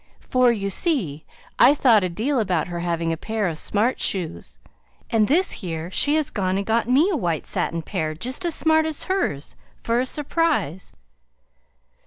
for, you see, I thought a deal about her having a pair of smart shoes; and this year she has gone and got me a white satin pair just as smart as hers, for a surprise."